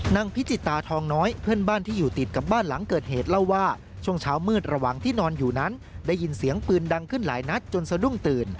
พิจิตาทองน้อยเพื่อนบ้านที่อยู่ติดกับบ้านหลังเกิดเหตุเล่าว่าช่วงเช้ามืดระหว่างที่นอนอยู่นั้นได้ยินเสียงปืนดังขึ้นหลายนัดจนสะดุ้งตื่น